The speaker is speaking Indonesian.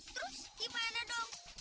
terus gimana dong